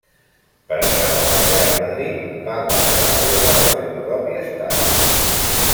Per això el Real Madrid va guanyar la copa al seu propi estadi.